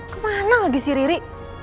kemana lagi si riri